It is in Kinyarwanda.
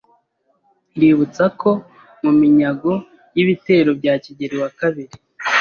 iributsa ko mu minyago y’ibitero bya Kigeli II